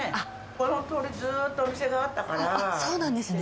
この通り、ずーっとお店があったそうなんですね。